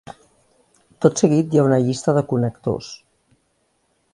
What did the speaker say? Tot seguit hi ha una llista de connectors.